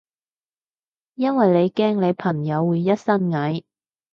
因為你驚你朋友會一身蟻？